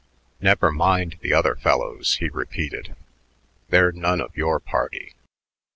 "Never mind the other fellows," he repeated. "They're none of your party.